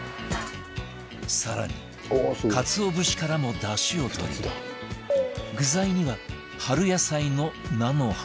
更にかつお節からもダシを取り具材には春野菜の菜の花